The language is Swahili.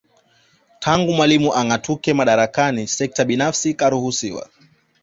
Tangu Mwalimu angatuke madaraka Sekta binafsi ikaruhusiwa